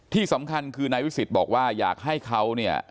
ที่สำคัญคือนายวิสิทธิ์บอกว่าอยากให้เขาเนี่ย